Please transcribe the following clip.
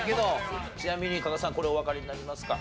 ちなみに加賀さんこれおわかりになりますか？